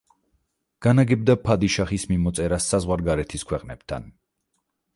განაგებდა ფადიშაჰის მიმოწერას საზღვარგარეთის ქვეყნებთან.